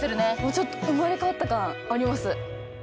ちょっと生まれ変わった感あります。